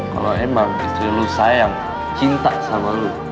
kalau memang istri kamu sayang cinta dengan kamu